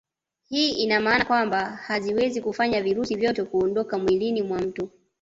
Hii ina maana kwamba haziwezi kufanya virusi vyote kuondoka mwilini mwa mtu